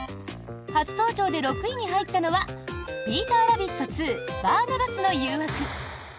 初登場で６位に入ったのは「ピーターラビット２／バーナバスの誘惑」。